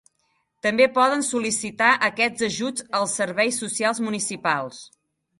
També poden sol·licitar aquests ajuts els serveis socials municipals.